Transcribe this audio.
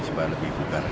supaya lebih kebukaran